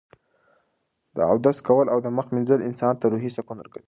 د اودس کول او د مخ مینځل انسان ته روحي سکون ورکوي.